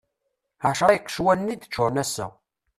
Ɛecra iqecwalen i d-ččuren ass-a.